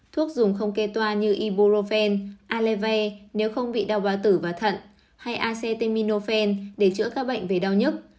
thuốc dùng không kê toa như ibuprofen aleve nếu không bị đau báo tử và thận hay acetaminophen để chữa các bệnh về đau nhức